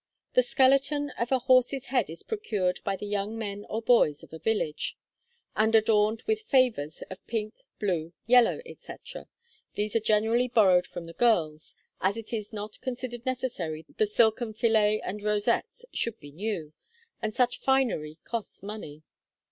The skeleton of a horse's head is procured by the young men or boys of a village, and adorned with 'favours' of pink, blue, yellow, etc. These are generally borrowed from the girls, as it is not considered necessary the silken fillets and rosettes should be new, and such finery costs money.